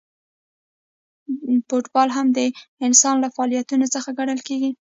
فوټبال هم د انسان له فعالیتونو څخه ګڼل کیږي.